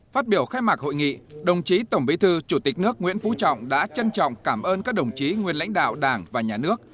phát biểu khai mạc hội nghị đồng chí tổng bí thư chủ tịch nước nguyễn phú trọng đã trân trọng cảm ơn các đồng chí nguyên lãnh đạo đảng và nhà nước